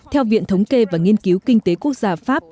theo viện thống kê và nghiên cứu kinh tế quốc gia pháp